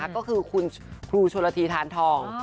ก็คือคุณครูชนละทีทานทอง